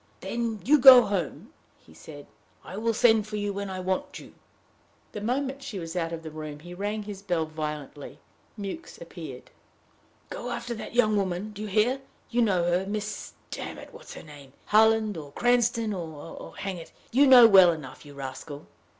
"Then you go home," he said. "I will send for you when I want you." The moment she was out of the room, he rang his bell violently. Mewks appeared. "Go after that young woman do you hear? You know her Miss damn it, what's her name? Harland or Cranston, or oh, hang it! you know well enough, you rascal!"